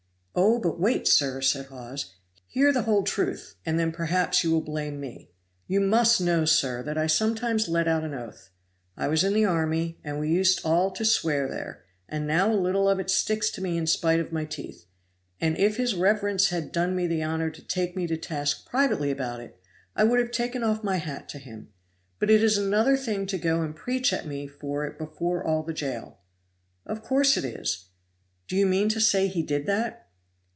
"Oh! but wait, sir," said Hawes, "hear the whole truth, and then perhaps you will blame me. You must know, sir, that I sometimes let out an oath. I was in the army, and we used all to swear there; and now a little of it sticks to me in spite of my teeth, and if his reverence had done me the honor to take me to task privately about it, I would have taken off my hat to him; but it is another thing to go and preach at me for it before all the jail." "Of course it is. Do you mean to say he did that?"